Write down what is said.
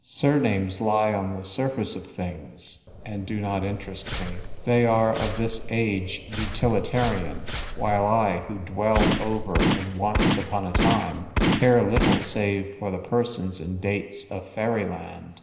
Surnames lie on the surface of things, and do not interest me. They are of this age, utili tarian ; while I, who dwell ever in Once upon a time, care little save for the pe' sons and dates of fairyland.